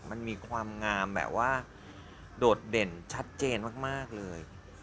มันมีความงามแบบว่าโดดเด่นชัดเจนมากเลย